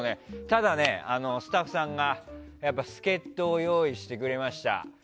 ただね、スタッフさんが助っ人を用意してくれました。